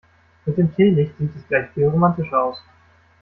Mit dem Teelicht sieht es gleich viel romantischer aus.